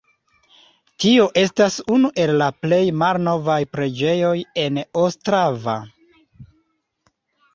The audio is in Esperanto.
Tio estas unu el la plej malnovaj preĝejoj en Ostrava.